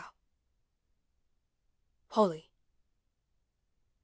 POLLY.